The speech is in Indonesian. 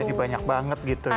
jadi banyak banget gitu ya